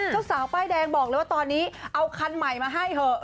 เจ้าสาวป้ายแดงบอกเลยว่าตอนนี้เอาคันใหม่มาให้เถอะ